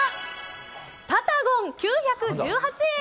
タタゴン、９１８円。